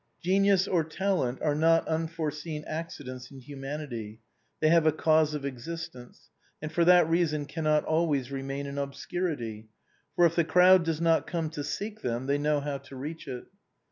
Genius or talent are not unforeseen accidents in humanity ; they have a cause of ex istence, and for that very reason cannot always remain in obscurity, for, if the crowd does not come to seek them, they know how to reach it.